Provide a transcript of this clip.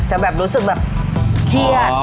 แบบรู้สึกแบบเครียด